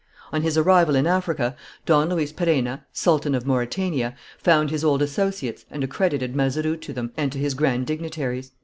On his arrival in Africa, Don Luis Perenna, Sultan of Mauretania, found his old associates and accredited Mazeroux to them and to his grand dignitaries.